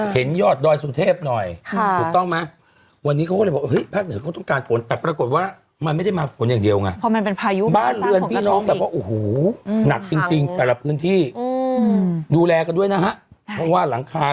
เป็นแบบแอบแฮปปี้นะไหมเนาะ